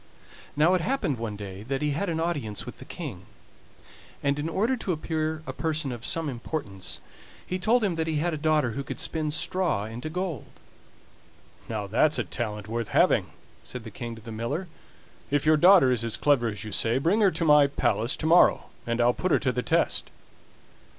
Now it happened one day that he had an audience with the King, and in order to appear a person of some importance he told him that he had a daughter who could spin straw into gold. "Now that's a talent worth having," said the King to the miller; "if your daughter is as clever as you say, bring her to my palace to morrow, and I'll put her to the test."